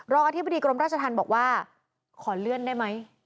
อธิบดีกรมราชธรรมบอกว่าขอเลื่อนได้ไหม